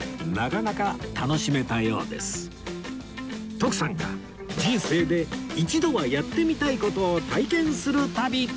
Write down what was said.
徳さんが人生で一度はやってみたい事を体験する旅